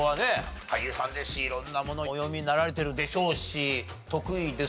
俳優さんですし色んなものお読みになられてるでしょうし。